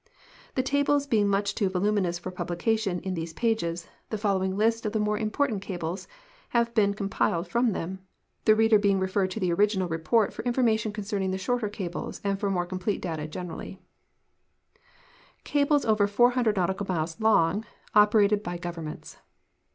The tallies being much too voluminous for publication in these pages, the following list of the more important cables has been compiled from them, the reader being referred to the original report for information concerning the shorter cables and for more complete data generally : CABLES OVER FOUR HUNDRED NAUTICAL MILES LONG, OPERATED BY GOVERNMENTS.